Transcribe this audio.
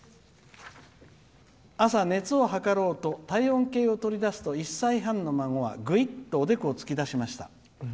朝熱を測ろうと体温計を取り出すと１歳半の孫が、ぐいっとおでこを突き出しました」。